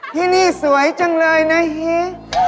ที่นี่สวยจังเลยนะเฮี